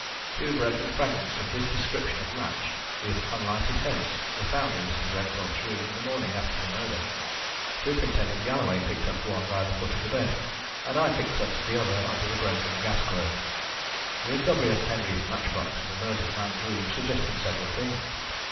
Two broken fragments of this description of match, with unlighted heads, were found in Mr. Glenthorpe's room the morning after the murder. Superintendent Galloway picked up one by the foot of the bed, and I picked up the other under the broken gas globe. The recovery of Penreath's match box in the murdered man's room suggested several things.